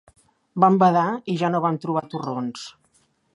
Vam badar i ja no vam trobar torrons.